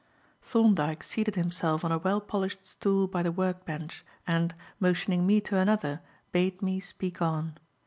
Thorndyke seated himself on a well polished stool by the work bench, and, motioning me to another, bade me speak on.